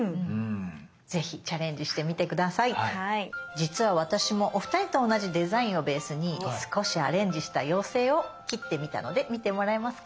実は私もお二人と同じデザインをベースに少しアレンジした妖精を切ってみたので見てもらえますか。